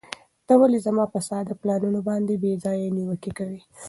ته ولې زما په ساده پلانونو باندې بې ځایه نیوکې کوې؟